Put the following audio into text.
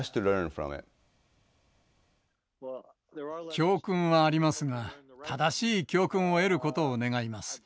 教訓はありますが正しい教訓を得ることを願います。